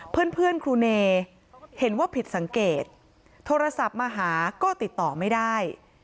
เพื่อนครูเนเห็นว่าผิดสังเกตโทรศัพท์มาหาก็ติดต่อไม่ได้